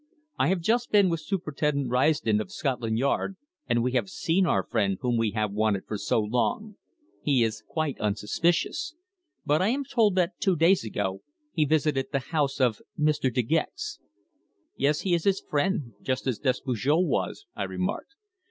"I have just been with Superintendent Risden, of Scotland Yard, and we have seen our friend whom we have wanted for so long. He is quite unsuspicious. But I am told that two days ago he visited the house of Mr. De Gex." "Yes, he is his friend, just as Despujol was," I remarked.